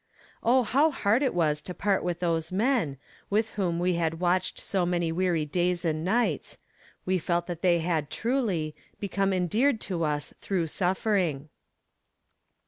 Oh how hard it was to part with those men, with whom we had watched so many weary days and nights we felt that they had, truly, "become endeared to us through suffering."